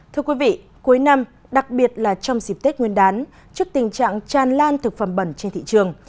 thưa quý vị cuối năm đặc biệt là trong dịp tết nguyên đán trước tình trạng tràn lan thực phẩm bẩn trên thị trường